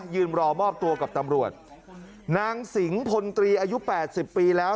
ยืนรอมอบตัวกับตำรวจนางสิงห์พลตรีอายุแปดสิบปีแล้ว